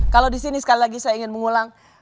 kalau disini sekali lagi saya ingin mengulang